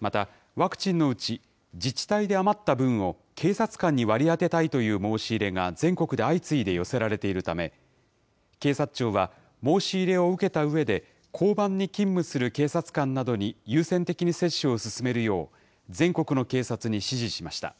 また、ワクチンのうち自治体で余った分を、警察官に割り当てたいという申し入れが全国で相次いで寄せられているため、警察庁は申し入れを受けたうえで、交番に勤務する警察官などに優先的に接種を進めるよう、全国の警察に指示しました。